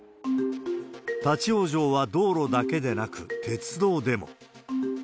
立往生は道路だけでなく、鉄道でも。